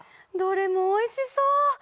どれもおいしそう！